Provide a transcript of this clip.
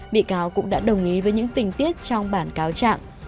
bị cáo cũng đã đồng ý với những tình tiết trong bản cáo trạng